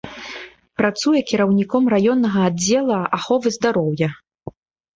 Працуе кіраўніком раённага аддзела аховы здароўя.